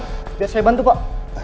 pak nino biar saya bantu pak